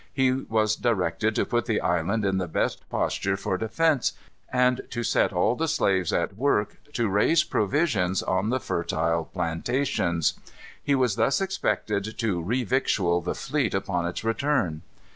He was directed to put the island in the best posture for defence, and to set all the slaves at work to raise provisions on the fertile plantations. He was thus expected to revictual the fleet upon its return.